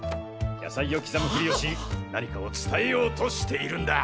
野菜を刻むふりをし何かを伝えようとしているんだ。